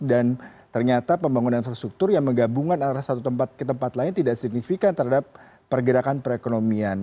dan ternyata pembangunan infrastruktur yang menggabungkan arah satu tempat ke tempat lain tidak signifikan terhadap pergerakan perekonomian